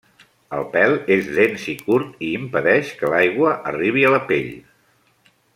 El pèl és dens i curt i impedeix que l'aigua arribi a la pell.